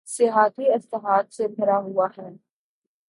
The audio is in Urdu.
سیاحتی استعداد سے بھرا ہوا ہے